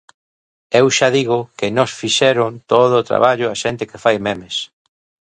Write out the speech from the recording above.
Eu xa digo que nos fixeron todo o traballo a xente que fai 'memes'.